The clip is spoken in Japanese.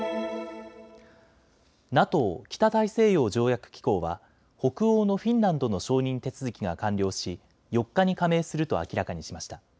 ＮＡＴＯ・北大西洋条約機構は北欧のフィンランドの承認手続きが完了し、４日に加盟すると明らかにしました。